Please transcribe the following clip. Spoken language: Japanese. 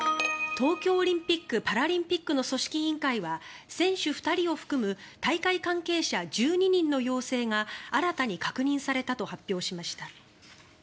東京オリンピック・パラリンピックの組織委員会は選手２人を含む大会関係者１２人の陽性が新たに確認されたと発表しました。